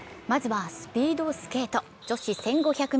まずはスピードスケート女子１５００ｍ。